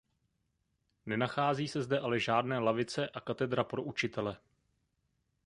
Nenachází se zde ale žádné lavice a katedra pro učitele.